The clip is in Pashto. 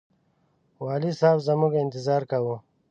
والي صاحب زموږ انتظار کاوه.